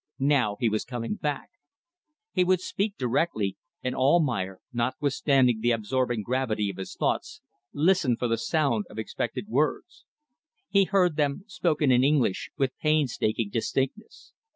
Now he was coming back. He would speak directly; and Almayer, notwithstanding the absorbing gravity of his thoughts, listened for the sound of expected words. He heard them, spoken in English with painstaking distinctness.